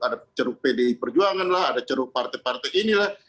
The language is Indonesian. ada ceruk pdi perjuangan lah ada ceruk partai partai inilah